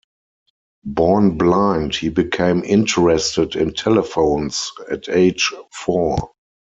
Born blind, he became interested in telephones at age four.